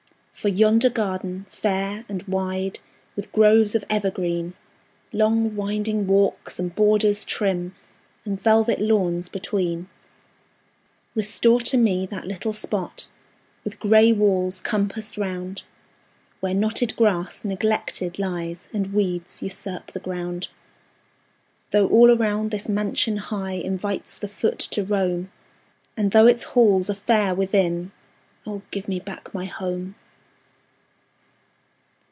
For yonder garden, fair and wide, With groves of evergreen, Long winding walks, and borders trim, And velvet lawns between; Restore to me that little spot, With gray walls compassed round, Where knotted grass neglected lies, And weeds usurp the ground. Though all around this mansion high Invites the foot to roam, And though its halls are fair within Oh, give me back my HOME!